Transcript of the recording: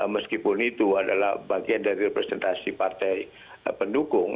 meskipun itu adalah bagian dari representasi partai pendukung